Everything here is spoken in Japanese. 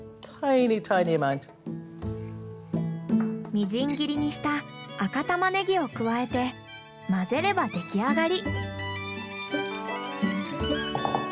みじん切りにした赤タマネギを加えて混ぜれば出来上がり。